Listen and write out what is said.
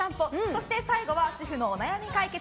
そして最後は主婦のお悩み解決！